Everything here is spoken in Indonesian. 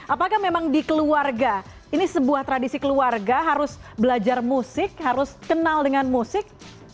apakah memang di keluarga ini sebuah tradisi keluarga harus belajar musik harus kenal dengan musik